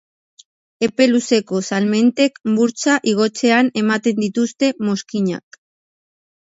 Epe luzeko salmentek burtsa igotzean ematen dituzte mozkinak.